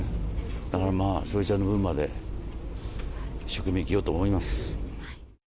だから、まあ笑瓶ちゃんの分まで一生懸命生きようと思います。